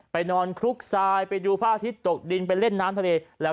นอนคลุกทรายไปดูพระอาทิตย์ตกดินไปเล่นน้ำทะเลแล้ว